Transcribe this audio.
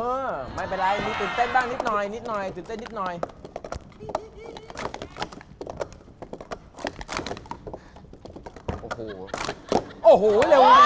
อ้าวคนเหนื่อยก็ต้องกินนา